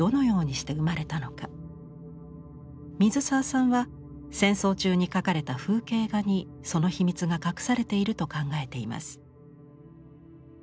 水沢さんは戦争中に描かれた風景画にその秘密が隠されていると考えています。